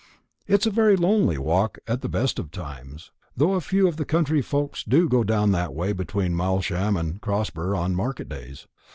It's a very lonely walk at the best of times, though a few of the country folks do go that way between Malsham and Crosber on market days.